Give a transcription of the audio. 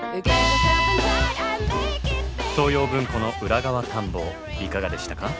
東洋文庫の裏側探訪いかがでしたか？